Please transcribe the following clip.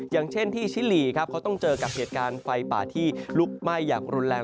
อย่างเช่นที่ชิลีครับเขาต้องเจอกับเหตุการณ์ไฟป่าที่ลุกไหม้อย่างรุนแรง